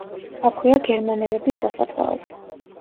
აქვეა გერმანელების სასაფლაოც.